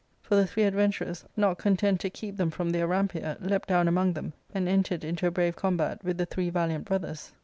For the three adventurers, not content to keep them from their rampier, leaped down among them and entered into a brave combat with the three valiant brothers.